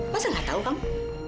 masa nggak tahu kamu